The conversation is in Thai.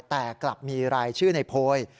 แต่กลับมีรายชื่อในโพย